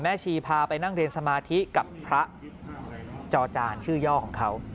ชีพาไปนั่งเรียนสมาธิกับพระจอจานชื่อย่อของเขา